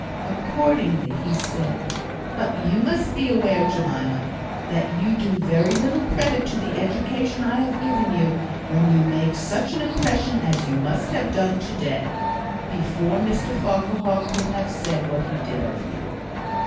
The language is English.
Accordingly, he said: "But you must be aware, Jemima, that you do very little credit to the education I have given you, when you make such an impression as you must have done to day, before Mr Farquhar could have said what he did of you!"